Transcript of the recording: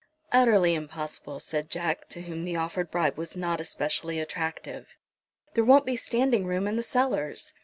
"Utterly impossible!" said Jack, to whom the offered bribe was not especially attractive. "There won't be standing room in the cellars.